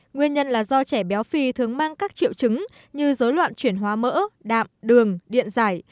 nguyên nhân là do trẻ béo phì thường mang các triệu chứng như dối loạn chuyển hóa mỡ đạm đường điện giải